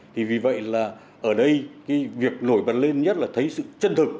thì vì vậy là ở đây cái việc nổi bật lên nhất là thấy sự chân thực